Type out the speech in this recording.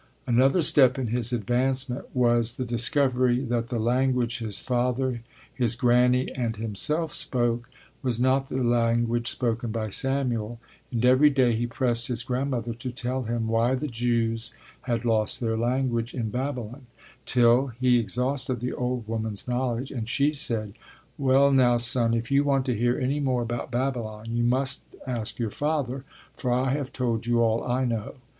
Another step in his advancement was the discovery that the language his father, his granny and himself spoke was not the language spoken by Samuel, and every day he pressed his grandmother to tell him why the Jews had lost their language in Babylon, till he exhausted the old woman's knowledge and she said: well now, Son, if you want to hear any more about Babylon you must ask your father, for I have told you all I know.